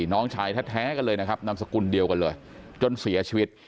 น้องชายแท้กันเลยนะครับนามสกุลเดียวกันเลยจนเสียชีวิต